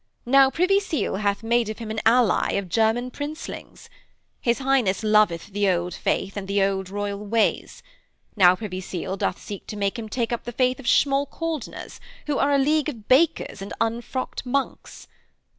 Now Privy Seal hath made of him an ally of German princelings. His Highness loveth the Old Faith and the old royal ways. Now Privy Seal doth seek to make him take up the faith of Schmalkaldners, who are a league of bakers and unfrocked monks.